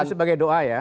sebagai doa ya